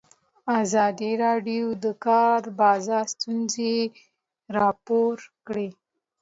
ازادي راډیو د د کار بازار ستونزې راپور کړي.